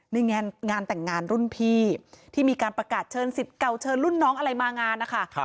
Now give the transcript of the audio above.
ในงานแต่งงานรุ่นพี่ที่มีการประกาศเชิญสิทธิ์เก่าเชิญรุ่นน้องอะไรมางานนะคะ